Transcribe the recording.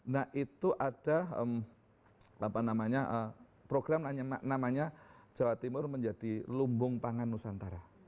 nah itu ada program namanya jawa timur menjadi lumbung pangan nusantara